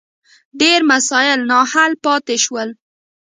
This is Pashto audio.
ډېر مسایل نا حل پاتې شول.